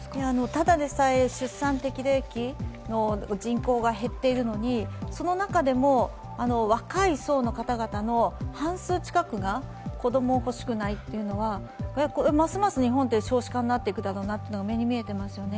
ただでさえ出産適齢期の人口が減っているのにその中でも若い層の方々の半数近くが子供を欲しくないっていうのはますます日本って少子化になっていくだろうなっていうのが目に見えていますよね。